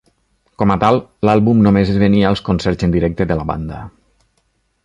Com a tal, l'àlbum només es venia als concerts en directe de la banda.